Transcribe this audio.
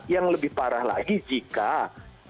yang lebih parah lagi jika